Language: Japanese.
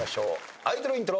アイドルイントロ。